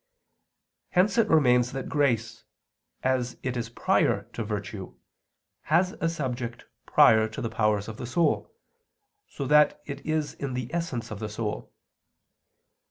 Hence it remains that grace, as it is prior to virtue, has a subject prior to the powers of the soul, so that it is in the essence of the soul.